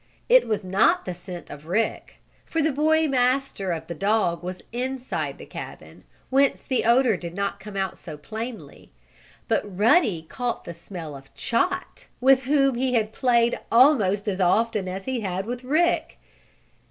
It was not the scent of Rick, for the boy master of the dog was inside the cabin, whence the odor did not come out so plainly. But Ruddy caught the smell of Chot, with whom he had played almost as often as he had with Rick.